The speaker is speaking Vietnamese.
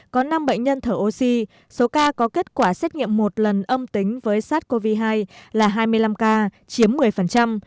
có năm bệnh nhân thở oxy số ca có kết quả xét nghiệm một lần âm tính với sars cov hai là hai mươi năm ca chiếm một mươi